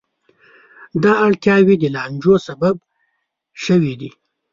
دا اړتیاوې د لانجو سبب شوې دي.